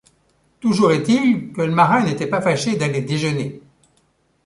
Toujours est-il que le marin n’était pas fâché d’aller déjeuner.